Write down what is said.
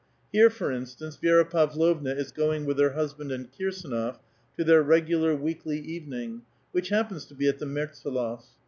Here, for instance, Vi^ra Pavlovna is going with her hus band and Kirsdnof to their regular weekly evening, which happens to be at the Mertsdlofs*.